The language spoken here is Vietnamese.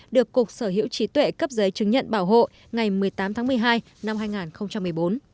được cục sở hữu trí tuệ cấp giấy chứng nhận bảo hộ ngày một mươi tám tháng một mươi hai năm hai nghìn một mươi bốn